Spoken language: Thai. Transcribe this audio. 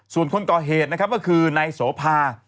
ส่วนคนก่อเหตุก็คือนายสโพา